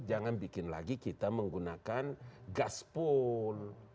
jangan bikin lagi kita menggunakan gaspol